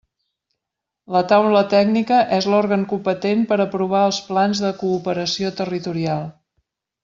La Taula Tècnica és l'òrgan competent per aprovar els plans de cooperació territorial.